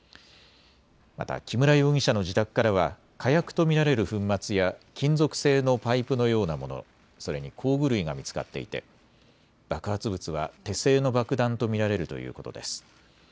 また木村容疑者の自宅からは火薬と見られる粉末や金属製のパイプのようなもの、それに工具類が見つかっていて爆発物は手製の爆弾と見られるということです。